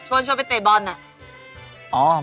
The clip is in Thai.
ชวนไปเตะบอลน่ะ